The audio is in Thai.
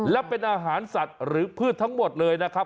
และเป็นอาหารสัตว์หรือพืชทั้งหมดเลยนะครับ